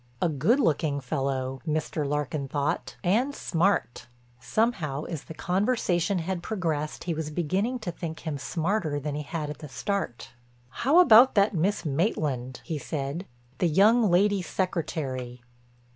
A good looking fellow, Mr. Larkin thought, and smart—somehow as the conversation had progressed he was beginning to think him smarter than he had at the start. "How about that Miss Maitland," he said, "the young lady secretary?"